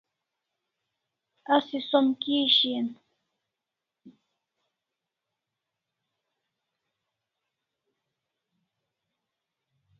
Asi som kia shian?